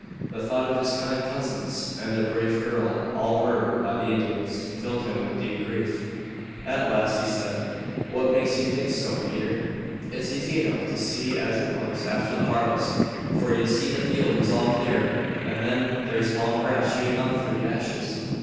The thought of his kind cousins and their brave girl all murdered by the Indians filled him with deep grief. At last he said: "What makes you think so, Peter?" "It's easy enough to see as it was after the harvest, for ye see the fields is all clear. And then there's long grass shooting up through the ashes.